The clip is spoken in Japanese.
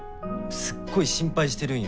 すっごい心配してるんよ